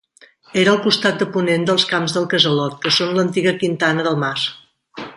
Era al costat de ponent dels Camps del Casalot, que són l'antiga quintana del mas.